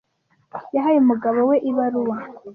Yahaye umugabo we ibaruwa.